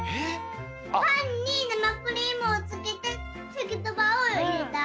パンに生クリームをつけてサケとばをいれた。